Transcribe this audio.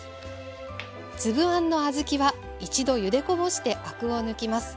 粒あんの小豆は一度ゆでこぼしてアクを抜きます。